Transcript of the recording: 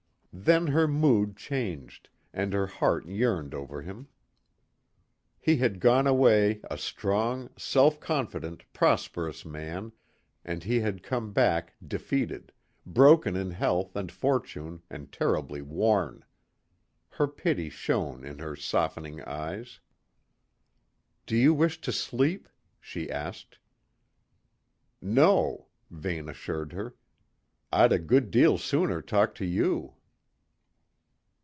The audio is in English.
Then her mood changed, and her heart yearned over him. He had gone away a strong, self confident, prosperous man, and he had come back defeated; broken in health and fortune and terribly worn. Her pity shone in her softening eyes. "Do you wish to sleep?" she asked. "No," Vane assured her; "I'd a good deal sooner talk to you."